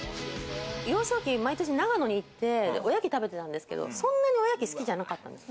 幼少期、毎年長野に行ってて、おやき食べてたんですけれども、そんなにおやき好きじゃなかったんです。